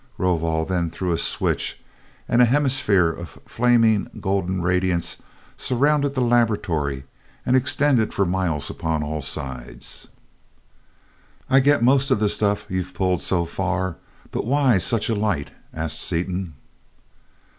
Rovol then threw a switch, and a hemisphere of flaming golden radiance surrounded the laboratory and extended for miles upon all sides. "I get most of the stuff you've pulled so far, but why such a light?" asked Seaton.